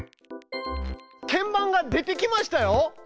鍵盤が出てきましたよ。